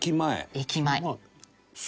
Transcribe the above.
駅前。